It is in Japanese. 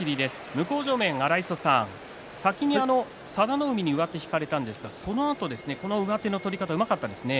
向正面、荒磯さん先に佐田の海に上手を引かれたんですがそのあと上手の取り方がうまかったですね。